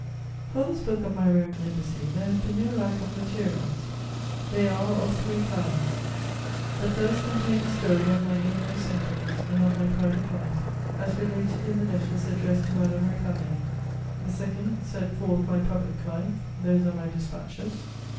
For this book of my Roman Embassy there has been no lack of materials; they are of three kinds: The first contain the story of my innermost sentiments and of my private life, as related in the letters addressed to Madame Récamier. The second set forth my public life: those are my dispatches.